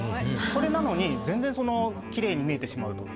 それなのに全然その綺麗に見えてしまうと。